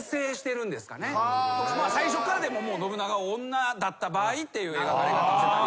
最初から信長が女だった場合っていう描かれ方をしてたり。